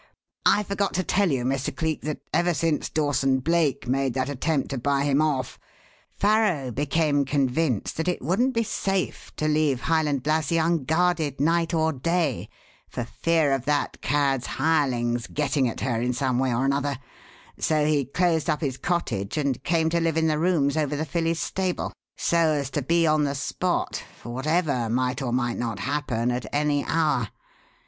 I forgot to tell you, Mr. Cleek, that ever since Dawson Blake made that attempt to buy him off, Farrow became convinced that it wouldn't be safe to leave Highland Lassie unguarded night or day for fear of that cad's hirelings getting at her in some way or another, so he closed up his cottage and came to live in the rooms over the filly's stable, so as to be on the spot for whatever might or might not happen at any hour.